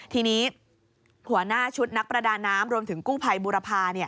ทีนี้หัวหน้าชุดนักประดาน้ำรวมถึงกู้ภัยบุรพา